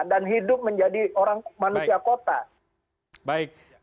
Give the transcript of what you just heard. dan hidup menjadi orang manusia kota